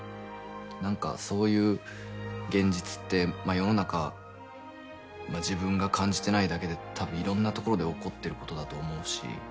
何かそういう現実って世の中自分が感じてないだけでたぶんいろんなところで起こってることだと思うし。